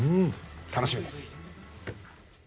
楽しみです。